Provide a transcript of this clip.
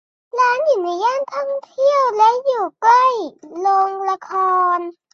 ร้านอยู่ในย่านท่องเที่ยวและอยู่ใกล้โรงละคร